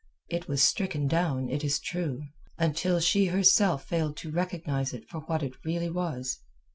It was stricken down, it is true, until she herself failed to recognize it for what it really was.